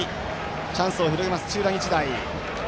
チャンスを広げます、土浦日大。